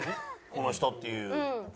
この人っていう。